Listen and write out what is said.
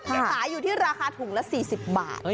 ขายอยู่ที่ราคาถุงละ๔๐บาท